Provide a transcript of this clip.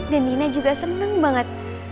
dan dina juga senang banget